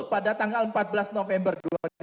pada tanggal empat belas november dua ribu tujuh belas